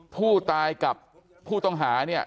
ผู้ตายกับผู้ต้องหาเนี่ย